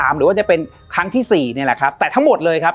หรือว่าจะเป็นครั้งที่สี่นี่แหละครับแต่ทั้งหมดเลยครับ